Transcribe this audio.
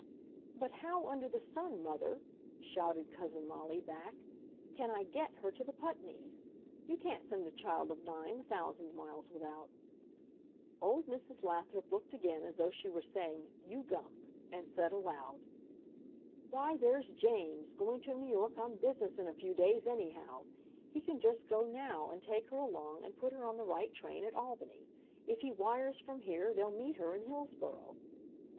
"But how under the sun, Mother!" shouted Cousin Molly back, "can I GET her to the Putneys'? You can't send a child of nine a thousand miles without ..." Old Mrs. Lathrop looked again as though she were saying "You gump!" and said aloud, "Why, there's James, going to New York on business in a few days anyhow. He can just go now, and take her along and put her on the right train at Albany. If he wires from here, they'll meet her in Hillsboro."